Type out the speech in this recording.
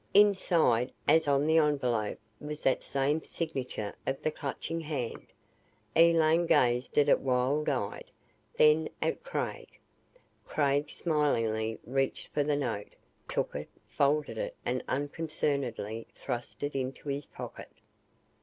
Inside, as on the envelope, was that same signature of the Clutching Hand. Elaine gazed at it wild eyed, then at Craig. Craig smilingly reached for the note, took it, folded it and unconcernedly thrust it into his pocket.